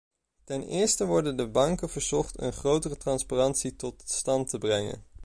Ten eerste worden de banken verzocht een grotere transparantie tot stand te brengen.